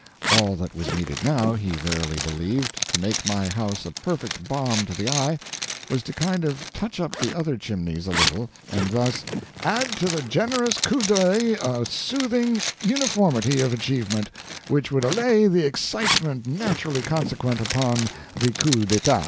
All that was needed now, he verily believed, to make my house a perfect balm to the eye, was to kind of touch up the other chimneys a little, and thus "add to the generous 'coup d'oeil' a soothing uniformity of achievement which would allay the excitement naturally consequent upon the 'coup d'etat.'"